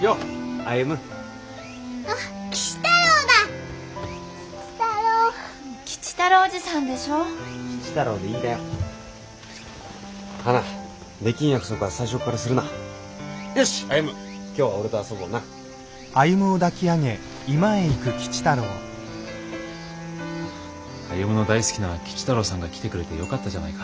歩の大好きな吉太郎さんが来てくれてよかったじゃないか。